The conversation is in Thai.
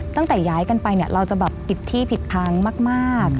ตั้งแต่ย้ายกันไปเราจะปิดที่ปิดทางมาก